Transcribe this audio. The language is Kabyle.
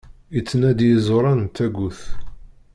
Ittnadi iẓuran n tagut!